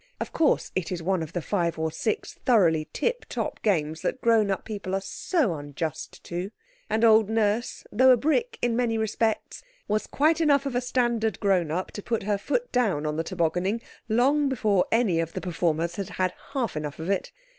Of course, it is one of the five or six thoroughly tip top games that grown up people are so unjust to—and old Nurse, though a brick in many respects, was quite enough of a standard grown up to put her foot down on the tobogganing long before any of the performers had had half enough of it.